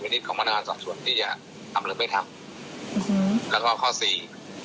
ที่อยากทำหรือไม่ทำแล้วก็ข้อสี่